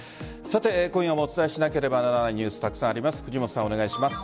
今夜もお伝えしなければならないニュースがたくさんあります。